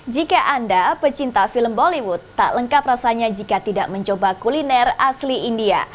jika anda pecinta film bollywood tak lengkap rasanya jika tidak mencoba kuliner asli india